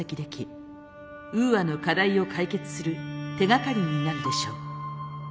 ウーアの課題を解決する手がかりになるでしょう。